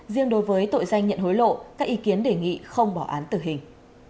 riêng đối với tội danh nhận hối lộ các ý kiến đề nghị không bỏ án tử hình